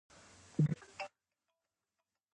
بزګان د افغان ځوانانو لپاره ډېره لویه دلچسپي لري.